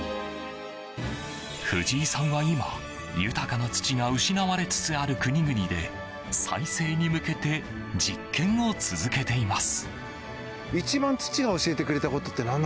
藤井さんは今豊かな土が失われつつある国々で再生に向けて実験を続けています。